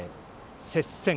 接戦。